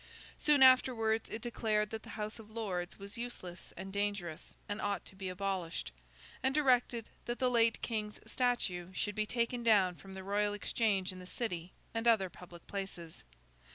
Soon afterwards, it declared that the House of Lords was useless and dangerous, and ought to be abolished; and directed that the late King's statue should be taken down from the Royal Exchange in the City and other public places.